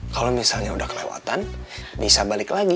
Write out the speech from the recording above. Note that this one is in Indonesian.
kalau misalnya udah kelewatan bisa balik lagi